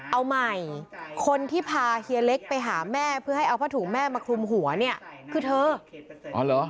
เอาใหม่คนที่พาเฮียเล็กไปหาแม่เพื่อให้เอาผ้าถุงแม่มาคลุมหัวเนี่ยคือเธออ๋อเหรอ